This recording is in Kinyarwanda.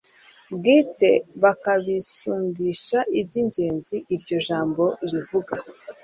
bwite bakabisumbisha iby'ingenzi iryo jambo rivuga.